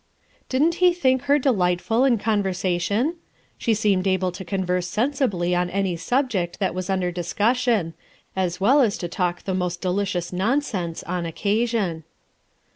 Didn't he think her delightful in conversation ? She seemed able to converse sensibly on any subject that was under discussion, as well as to talk the most delicious noasense, on occasion.